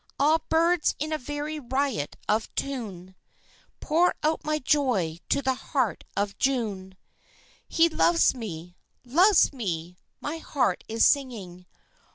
Ah, birds in a very riot of tune Pour out my joy to the heart of June! He loves me loves me! My heart is singing.